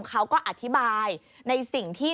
เขาก็อธิบายในสิ่งที่